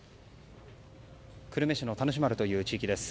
久留米市の田主丸という地域です。